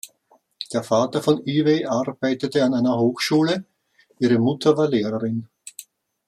Der Vater von Ivey arbeitete an einer Hochschule; ihre Mutter war Lehrerin.